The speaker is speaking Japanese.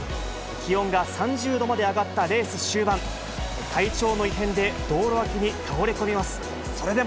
気温が３０度まで上がったレース終盤、体調の異変で道路脇に倒れ込みます。